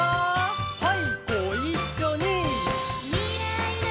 はいごいっしょに！